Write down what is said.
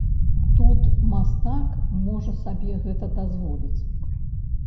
Тут мастак можа сабе гэта дазволіць.